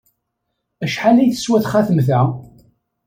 Acḥal ay teswa txatemt-a?